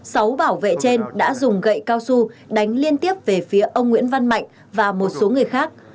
sáu bảo vệ trên đã dùng gậy cao su đánh liên tiếp về phía ông nguyễn văn mạnh và một số người khác